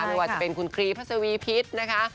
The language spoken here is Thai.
ไม่ว่าจะเป็นคุณครีพัศวีพิษนะคะ